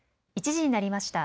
１時になりました。